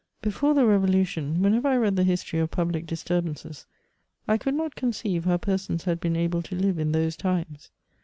Befobe the Revolution, whenever I read the history of public disturbances, I could not conceive how persons had been able to live in those times.